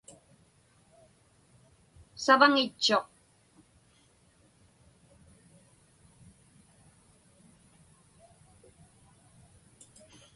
Savaŋitchuq.